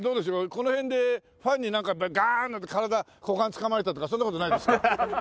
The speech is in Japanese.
この辺でファンになんかガーンなんて体股間つかまれたとかそんな事ないですか？